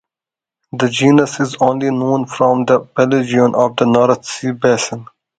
The genus is only known from the Paleogene of the North Sea Basin.